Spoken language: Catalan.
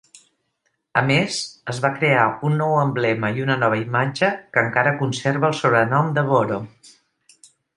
A més, es va crear un nou emblema i una nova imatge que encara conserva el sobrenom de Boro.